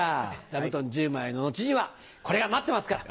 座布団１０枚の後にはこれが待ってますから。